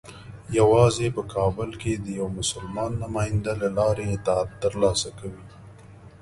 یوازې په کابل کې د یوه مسلمان نماینده له لارې اطلاعات ترلاسه کوي.